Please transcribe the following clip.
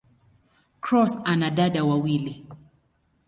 Cross ana dada wawili.